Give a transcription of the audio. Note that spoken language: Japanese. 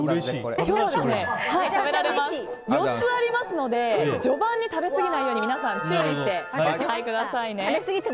今日は４つありますので序盤に食べすぎないように皆さん注意してお考えくださいね。